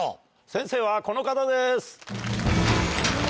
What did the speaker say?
先生はこの方です。